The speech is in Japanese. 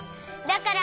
だから。